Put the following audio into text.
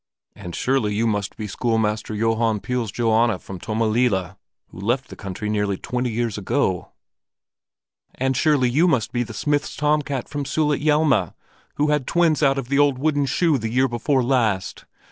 "And surely you must be schoolmaster Johan Pihl's Johanna from Tommelilla, who left the country nearly twenty years ago?" "And surely you must be the smith's tom cat from Sulitjelma, who had twins out of an old wooden shoe the year before last?"